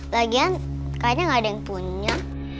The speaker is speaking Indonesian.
lagian kayaknya gak ada yang tunjang